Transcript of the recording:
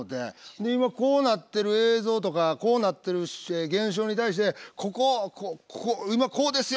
で今こうなってる映像とかこうなってる現象に対して「ここ今こうですよ！」